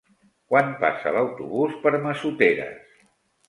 Quan passa l'autobús per Massoteres?